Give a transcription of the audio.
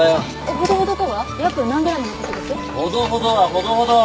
ほどほどはほどほど！